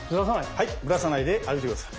はいずらさないで歩いて下さい。